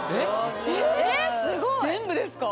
えっ全部ですか？